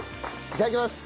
いただきます。